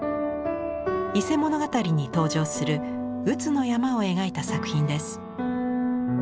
「伊勢物語」に登場する宇津の山を描いた作品です。